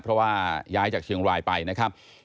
เพราะว่าย้ายจากเชียงรายไปนะครับ